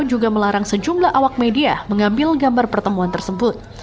juga melarang sejumlah awak media mengambil gambar pertemuan tersebut